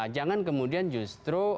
jangan kemudian justru